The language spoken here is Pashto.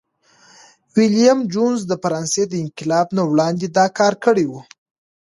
ویلیم جونز د فرانسې د انقلاب نه وړاندي دا کار کړی و.